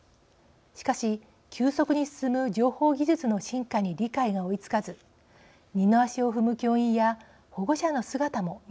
しかし急速に進む情報技術の進化に理解が追いつかず二の足を踏む教員や保護者の姿も見てきました。